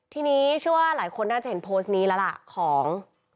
ทีนี้เชื่อว่าหลายคนน่าจะเห็นโพสต์นี้แล้วล่ะของ